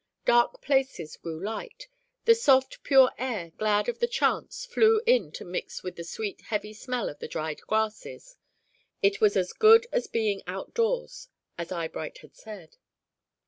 Dark places grew light, the soft pure air, glad of the chance, flew in to mix with the sweet, heavy smell of the dried grasses; it was as good as being out doors, as Eyebright had said.